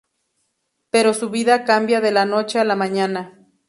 Pero su vida cambia de la noche a la mañana.